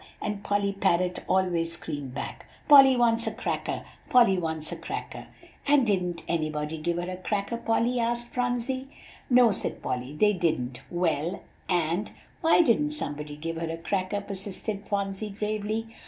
and Polly Parrot always screamed back, 'Polly wants a cracker, Polly wants a cracker.'" "And didn't anybody give her a cracker, Polly?" asked Phronsie. "No," said Polly, "they didn't. Well, and" "Why didn't somebody give her a cracker?" persisted Phronsie gravely.